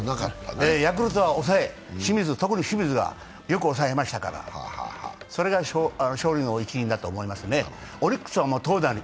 ヤクルトは押さえ、特に清水がよく押さえましたからそれが勝利の一因だと思いますね。